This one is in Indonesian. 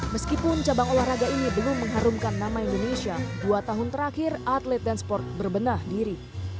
meskipun cabang olahraga ini belum mengharumkan nama indonesia dua tahun terakhir atlet dan sport berbenah diri